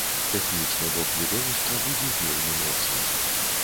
Тэхнічны бок відовішча будзе вельмі моцны.